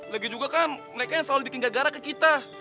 lagi juga kan mereka yang selalu bikin gara ke kita